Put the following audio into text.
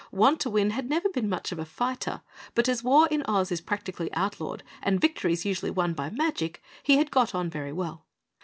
Wantowin had never been much of a fighter, but as war in Oz is practically outlawed, and victories usually won by magic, he had got on very well.